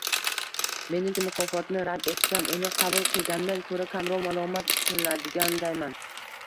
Menimcha, mukofotni rad etsam uni qabul qilgandan ko‘ra kamroq malomat qilinadigandayman